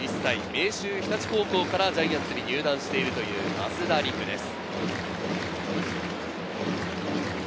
明秀日立高校からジャイアンツに入団しているという増田陸です。